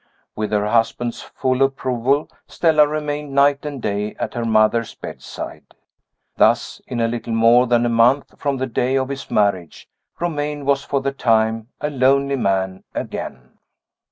With her husband's full approval, Stella remained night and day at her mother's bedside. Thus, in a little more than a month from the day of his marriage, Romayne was, for the time, a lonely man again.